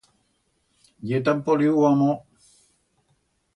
Ye tan poliu o amor!